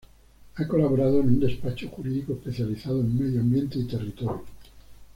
Ha colaborado en un despacho jurídico especializado en medio ambiente y territorio.